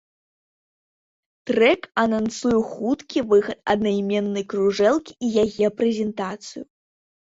Трэк анансуе хуткі выхад аднайменнай кружэлкі і яе прэзентацыю.